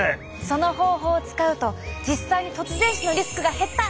その方法を使うと実際に突然死のリスクが減った！